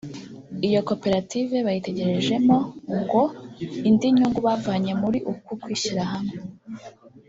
iyi koperative bayitegerejemo ngo indi nyungu bavanye muri uku kwishyira hamwe